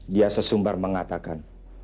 dia sesumbar mengatakan